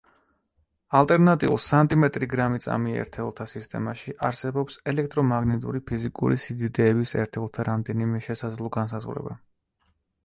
ალტერნატიულ სანტიმეტრი-გრამი-წამი ერთეულთა სისტემაში არსებობს ელექტრომაგნიტური ფიზიკური სიდიდეების ერთეულთა რამდენიმე შესაძლო განსაზღვრება.